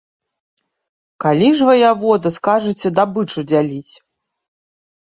Калі ж, ваявода, скажаце дабычу дзяліць?